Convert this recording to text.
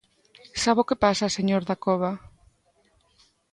¿Sabe o que pasa, señor Dacova?